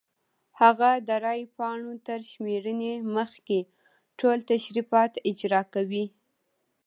هغه د رای پاڼو تر شمېرنې مخکې ټول تشریفات اجرا کوي.